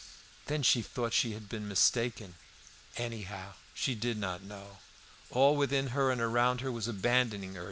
Then she thought she had been mistaken. Anyhow, she did not know. All within her and around her was abandoning her.